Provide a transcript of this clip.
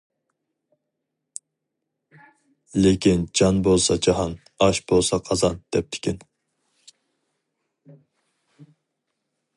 لېكىن جان بولسا جاھان، ئاش بولسا قازان دەپتىكەن.